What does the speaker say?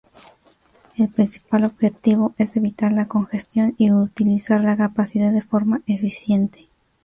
El principal objetivo es evitar la congestión y utilizar la capacidad de forma eficiente.